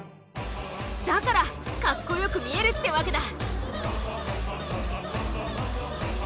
だからカッコよく見えるってわけだ。